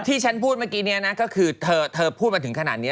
ที่ฉันพูดเมื่อกี้นี้นะก็คือเธอพูดมาถึงขนาดนี้